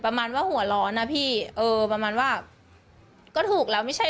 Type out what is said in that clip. ประมาณว่าหัวร้อนนะพี่เออประมาณว่าก็ถูกแล้วไม่ใช่